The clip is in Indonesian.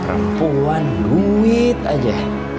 perempuan duit aja